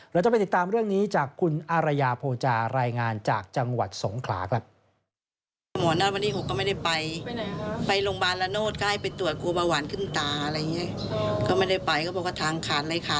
เราจะไปติดตามเรื่องนี้จากคุณอารยาโภจารายงานจากจังหวัดสงขลาครับ